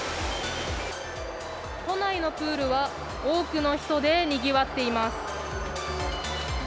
都内のプールは、多くの人でにぎわっています。